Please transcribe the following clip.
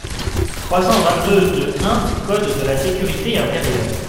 trois cent vingt-deux-deux-un du code de la sécurité intérieure ».